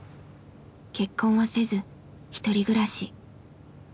結婚はせずひとり暮らし。